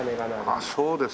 あっそうです。